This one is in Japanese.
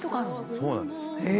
そうなんです。